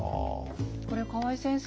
これ河合先生